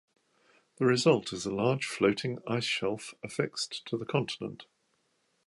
The result is a large, floating ice shelf affixed to the continent.